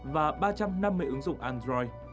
và ba trăm năm mươi ứng dụng android